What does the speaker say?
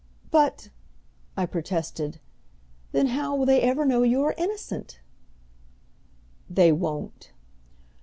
"But," I protested, "then how will they ever know you are innocent?" "They won't."